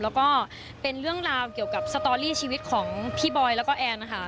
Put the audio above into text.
แล้วก็เป็นเรื่องราวเกี่ยวกับสตอรี่ชีวิตของพี่บอยแล้วก็แอนนะคะ